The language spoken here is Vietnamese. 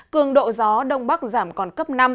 cường độ gió đông bắc giảm còn cấp năm